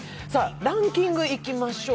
ランキングいきましょう。